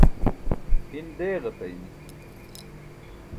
in deeġataymi